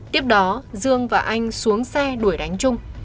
tiếp đó dương và anh xuống xe đuổi đánh chung